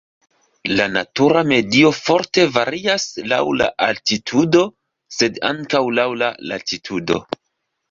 La natura medio forte varias laŭ la altitudo sed ankaŭ laŭ la latitudo.